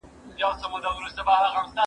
زه هره ورځ د سبا لپاره د نوي لغتونو يادوم